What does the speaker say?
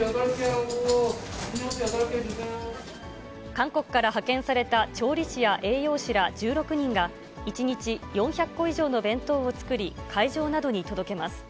韓国から派遣された調理師や栄養士ら１６人が、１日４００個以上の弁当を作り、会場などに届けます。